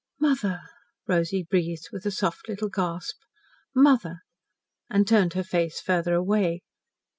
"Mother!" Rosy breathed, with a soft little gasp. "Mother!" and turned her face farther away.